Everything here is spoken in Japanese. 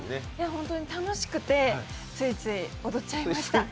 ホントに楽しくてついつい踊っちゃいました。